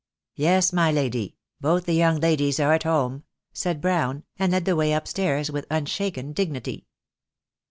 "Yes, my lady, both the young ladies are at home," said Brown, and led the way upstairs with unshaken dignity.